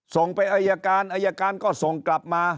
ส่งไปอายการอายการก็ส่งกลับมา